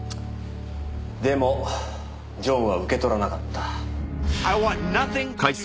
でもジョンは受け取らなかった。